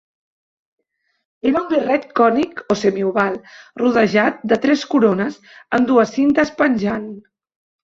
Era un birret cònic o semioval rodejat de tres corones, amb dues cintes penjant.